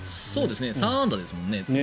３安打ですもんね。